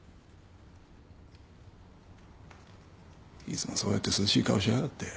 いつもそうやって涼しい顔しやがって。